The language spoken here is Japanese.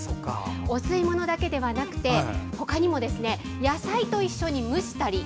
お吸い物だけではなくてほかにも、野菜と一緒に蒸したり。